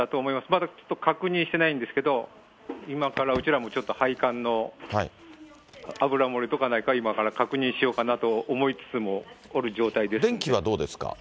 まだ確認してないんですけど、今から、うちらも配管の油漏れとかないか今から確認しようかなと思いつつも、電気はどうですか？